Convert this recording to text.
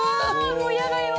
もう嫌だよー！